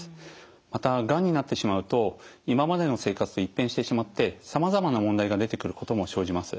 またがんになってしまうと今までの生活と一変してしまってさまざまな問題が出てくることも生じます。